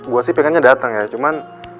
gue sih pinginnya dateng ya cuman